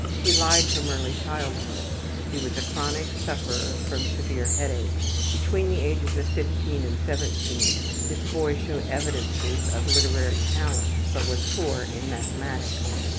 He lied from early childhood. He was a chronic sufferer from severe headaches. Between the ages of 15 and 17 this boy showed evidences of literary talent, but was poor in mathematics.